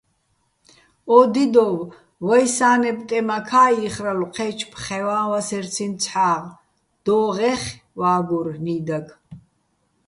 ო დიდო́ვ ვაჲ სა́ნებ ტემაქა́ იხრალო̆ ჴე́ჩო̆ ფხევაჼ ვასერციჼ ცჰ̦აღ, დო́ღეხე̆ ვა́გურ, ნიდაგ.